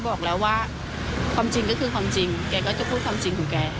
พูดอยู่อย่างนั้น